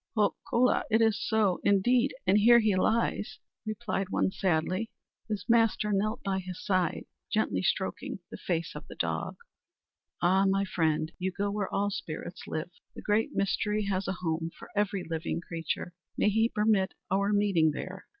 "Ho, kola, it is so, indeed; and here he lies," replied one sadly. His master knelt by his side, gently stroking the face of the dog. "Ah, my friend; you go where all spirits live! The Great Mystery has a home for every living creature. May he permit our meeting there!"